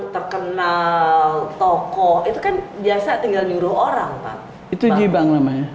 terkenal toko itu kan biasa tinggal nyuruh orang pak itu jibang namanya